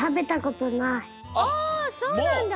あそうなんだ。